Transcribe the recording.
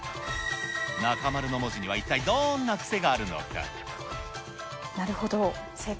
中丸の文字には一体どんな癖があるのか。